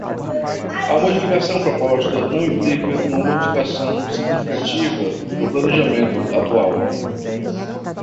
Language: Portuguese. A modificação proposta não implica uma modificação significativa do planejamento atual.